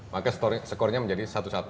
maka skornya menjadi satu satu